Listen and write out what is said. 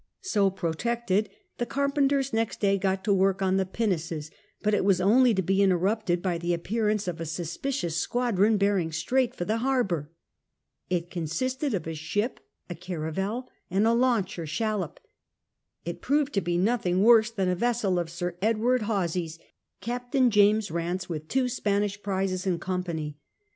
So protected, the carpenters next day got to work on the pinnaces, but it was only to be interrupted by the appearance of a suspicious squadron bearing straight for the harbour. It consisted of a ship, a caravel, and a launch or shallop. It proved to be nothing worse than a vessel of Sir Edward Horsey's, Captain James Banse, with two Spanish prizes in company.